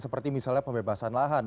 seperti misalnya pembebasan lahan